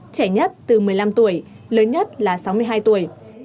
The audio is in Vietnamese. trẻ nhất từ một mươi năm tuổi lớn nhất là sáu mươi hai tuổi